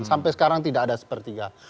sampai sekarang tidak ada sepertiga